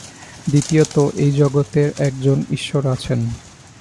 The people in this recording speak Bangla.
দ্বিতীয়ত এই জগতে একজন ঈশ্বর আছেন।